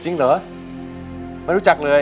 จริงเหรอไม่รู้จักเลย